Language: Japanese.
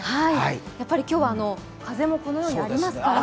今日は風もこのようにありますから。